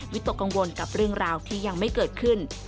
ตกกังวลกับเรื่องราวที่ยังไม่เกิดขึ้น